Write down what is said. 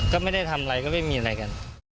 ก็ไม่ได้ทำอะไรก็ไม่มีอะไรกัน